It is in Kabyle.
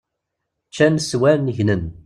Ččan swan gnen!